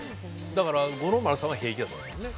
だから五郎丸さんは平気やったんですもんね？